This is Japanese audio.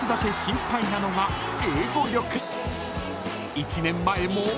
［１年前も］